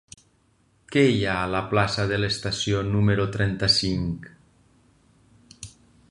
Què hi ha a la plaça de l'Estació número trenta-cinc?